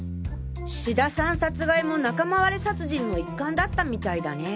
志田さん殺害も仲間割れ殺人の一環だったみたいだね。